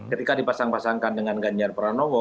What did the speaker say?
ketika dipasang pasangkan dengan ganjar pranowo